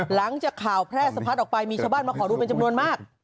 หลังจากข่าวแพร่สะพัดออกไปมีชาวบ้านมาขอดูเป็นจำนวนมาก